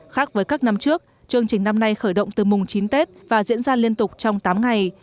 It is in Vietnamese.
khác với các năm trước chương trình năm nay khởi động từ mùng chín tết và diễn ra liên tục trong tám ngày